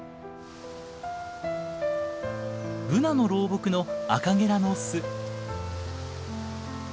ブナの老木のアカゲラの巣。